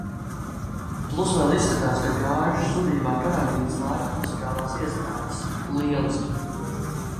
Plus vēl izskatās, ka gājušas zudībā karantīnas laika muzikālās iestrādes. lieliski.